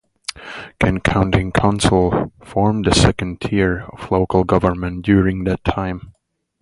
Kent County Council formed the second tier of local government during that time.